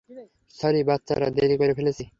Sorry বাচ্চারা, দেরি করে ফেলেছি।